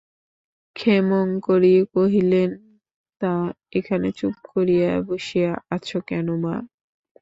ক্ষেমংকরী কহিলেন, তা, এখানে চুপ করিয়া বসিয়া আছ কেন মা?